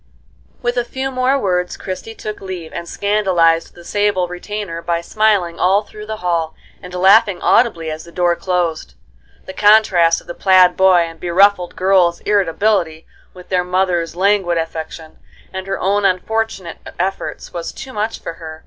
With a few more words Christie took leave, and scandalized the sable retainer by smiling all through the hall, and laughing audibly as the door closed. The contrast of the plaid boy and beruffled girl's irritability with their mother's languid affectation, and her own unfortunate efforts, was too much for her.